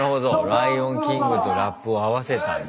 「ライオン・キング」とラップを合わせたんだ。